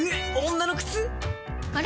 女の靴⁉あれ？